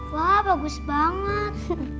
wah bagus banget